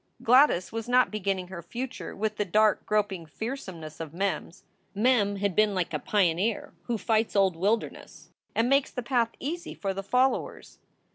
Gladys was not beginning her future with the dark groping fearsomeness of Mem s. Mem had been like a pioneer who fights old Wilderness and makes the path easy for the fol lowers.